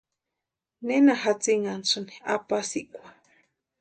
¿Nena jatsinhantasïni apasikwa?